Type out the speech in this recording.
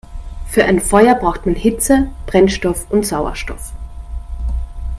Für ein Feuer braucht man Hitze, Brennstoff und Sauerstoff.